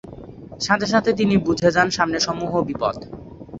সাথে সাথে তিনি বুঝে যান সামনে সমূহ বিপদ।